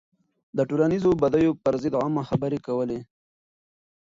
ده د ټولنيزو بديو پر ضد عامه خبرې کولې.